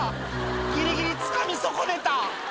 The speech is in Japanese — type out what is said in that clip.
「ギリギリつかみ損ねた」